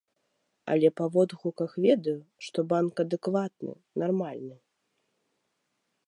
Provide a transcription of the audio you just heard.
Але па водгуках ведаю, што банк адэкватны, нармальны.